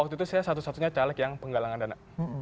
waktu itu saya satu satunya caleg yang penggalangan dana